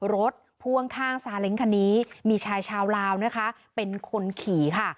พ่วงข้างซาเล้งคันนี้มีชายชาวลาวนะคะเป็นคนขี่ค่ะ